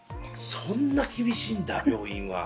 そんな厳しいんだ病院は。